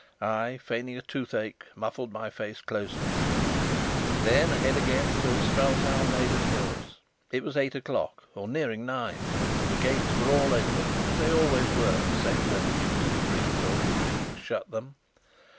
I, feigning a toothache, muffled my face closely. Then ahead again, till Strelsau lay before us. It was eight o'clock or nearing nine, and the gates were all open, as they always were save when the duke's caprice or intrigues shut them.